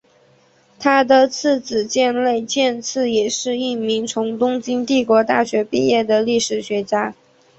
他的次子箭内健次也是一名从东京帝国大学毕业的历史学家。